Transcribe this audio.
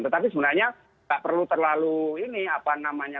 tetapi sebenarnya nggak perlu terlalu ini apa namanya